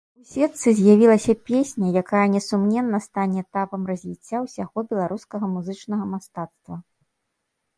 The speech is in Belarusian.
У сетцы з'явілася песня, якая несумненна стане этапам развіцця ўсяго беларускага музычнага мастацтва.